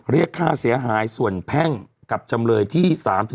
เรียกค่าเสียหายส่วนแพ่งกับจำเลยที่๓๔